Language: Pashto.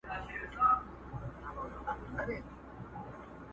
تور قسمت په تا آرام نه دی لیدلی.!